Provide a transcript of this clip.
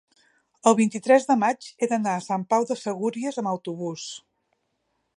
el vint-i-tres de maig he d'anar a Sant Pau de Segúries amb autobús.